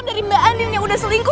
kok dari mbak andin yang udah selingkuh